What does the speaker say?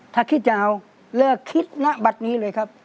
ถ้าคิดจะเอาเลิกคิดณบัตรนี้เลยครับ